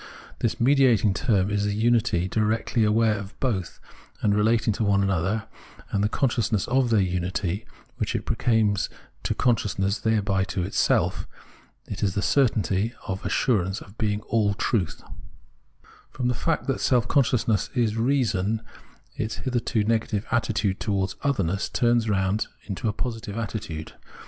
This mediating Reasons Certainty and Reason's Truth 223 term is the unity directly aware of both, and relating them to one another; and the consciousness of their unity, which it proclaims to consciousness and thereby to itself, is the certainty and assurance of being all truth. From the fact that self consciousness is Reason, its hitherto negative attitude towards otherness turns round into a positive attitude.